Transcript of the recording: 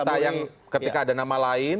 kita yang ketika ada nama lain